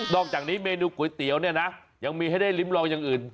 อกจากนี้เมนูก๋วยเตี๋ยวเนี่ยนะยังมีให้ได้ริ้มลองอย่างอื่น